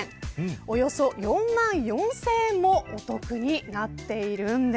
およそ４万４０００円もお得になっているんです。